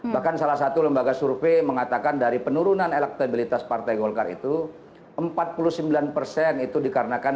bahkan salah satu lembaga survei mengatakan dari penurunan elektabilitas partai golkar itu empat puluh sembilan persen itu dikarenakan